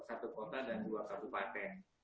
satu kota dan dua kabupaten